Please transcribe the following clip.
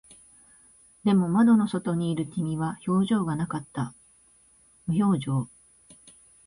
でも、窓の外にいる君は表情がなかった。無表情。